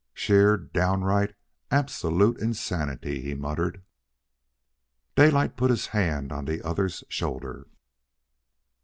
"Sheer, downright, absolute insanity," he muttered. Daylight put his hand on the other's shoulder.